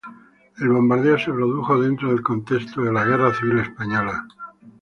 El bombardeo se produjo dentro del contexto de la Guerra Civil Española.